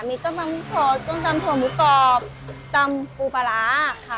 มีต้มถั่วส้มตำถั่วหมูกรอบตำปูปลาร้าค่ะ